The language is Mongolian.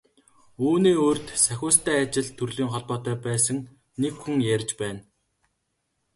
Үүний урьд Сахиустай ажил төрлийн холбоотой байсан нэг хүн ярьж байна.